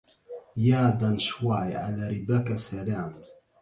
يا دنشواي على رباك سلام